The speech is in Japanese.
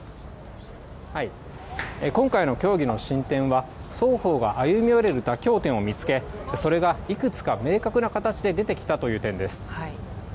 今回の協議の進展は双方が歩み寄れる妥協点を見つけそれがいくつか明確な形で出てきたという点です。